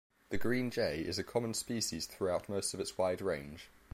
The green jay is a common species throughout most of its wide range.